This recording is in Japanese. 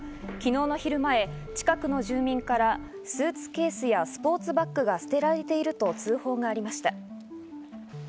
昨日の昼前、近くの住民からスーツケースやスポーツバッグが捨てられていると通報がありました。